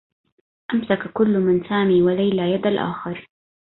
أمسك كلّ من سامي و ليلى يد الآخر.